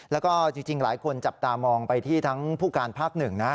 แล้วก็จริงหลายคนจับตามองไปที่ทั้งผู้การภาคหนึ่งนะ